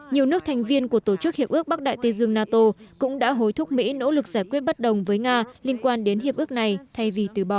nhiều nước thành viên của tổ chức hiệp ước bắc đại tây dương nato cũng đã hối thúc mỹ nỗ lực giải quyết bất đồng với nga liên quan đến hiệp ước này thay vì từ bỏ